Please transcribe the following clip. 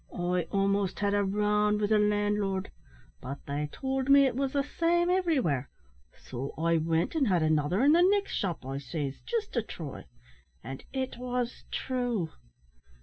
I almost had a round wi' the landlord; but they towld me it wos the same iverywhere. So I wint and had another in the nixt shop I sees, jist to try; and it was thrue.